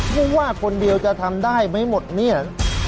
ผู้ว่าคนเดียวจะทำได้ไหมหมดเนี่ย